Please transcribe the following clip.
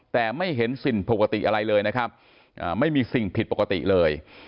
แต่ไม่เห็นสิ่งปกติอะไรเลยนะครับไม่มีสิ่งผิดปกติเลย